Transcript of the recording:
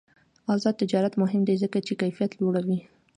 آزاد تجارت مهم دی ځکه چې کیفیت لوړوي.